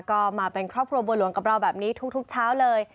ก็มาเป็นครอบครัวบัวหลวงกับเราแบบนี้ทุกเช้าเลย